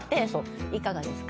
いかがですか？